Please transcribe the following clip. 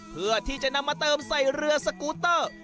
เพื่อที่จะนำมาเติมใส่เรือสกูเตอร์